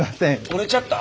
折れちゃった？